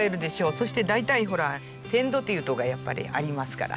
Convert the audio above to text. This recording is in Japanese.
そして大体ほら鮮度というとこがありますから。